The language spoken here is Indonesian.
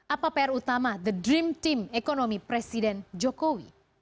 apa pr utama the dream team ekonomi presiden jokowi